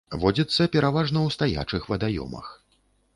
Водзіцца пераважна ў стаячых вадаёмах.